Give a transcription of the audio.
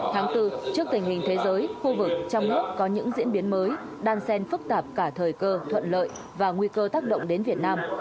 tháng bốn trước tình hình thế giới khu vực trong nước có những diễn biến mới đan xen phức tạp cả thời cơ thuận lợi và nguy cơ tác động đến việt nam